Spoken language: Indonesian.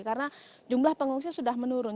karena jumlah pengungsi sudah menurun